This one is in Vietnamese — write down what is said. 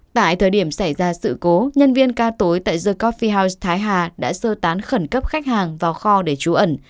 tại thời điểm xảy ra sự cố nhân viên ca tối tại the coffee house thái hà đã sơ tán khẩn cấp khách hàng vào kho để trú ẩn